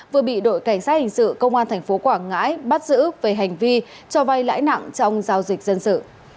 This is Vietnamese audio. vừa bị đội cảnh sát hình sự công an tp quảng ngãi bắt giữ về hành vi cho vay lãi nặng trong giao dịch dân sự